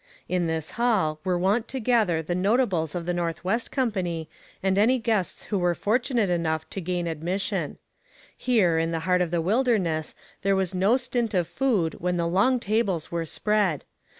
In this hall were wont to gather the notables of the North West Company, and any guests who were fortunate enough to gain admission. Here, in the heart of the wilderness, there was no stint of food when the long tables were spread.